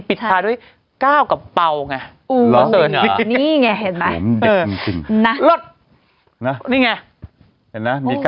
ปิดท้ายด้วยเก้าก่อเบาไง